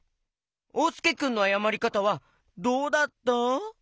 おうすけくんのあやまりかたはどうだった？